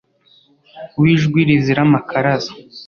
W'ijwi rizira amakaraza